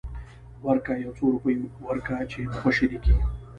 ورکه يو څو روپۍ ورکه چې خوشې دې کي.